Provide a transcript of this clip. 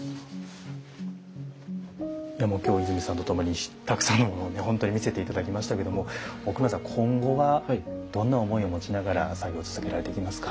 今日は伊住さんとともにたくさんのものを見せて頂きましたけども奥村さん今後はどんな思いを持ちながら作業を続けられていきますか。